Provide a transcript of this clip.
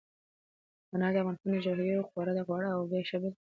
انار د افغانستان د جغرافیې یوه خورا غوره او ښه بېلګه ده.